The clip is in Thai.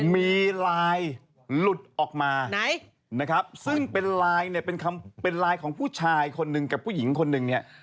มีลายหลุดออกมาซึ่งเป็นลายของผู้ชายคนหนึ่งกับผู้หญิงคนหนึ่งเนี่ย